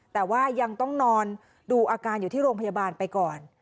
แต่ว่ายังต้องนอนดูอาการอยู่ที่โรงพยาบาลไปก่อน